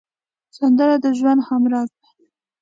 سندره د ژوند همراز ده